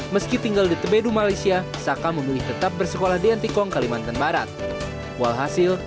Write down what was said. meski tinggal di tebedu malaysia saka memilih tetap bersekolah di antikong kalimantan barat walhasil